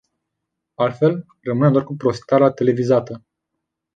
Altfel, rămânem doar cu prosteala televizată.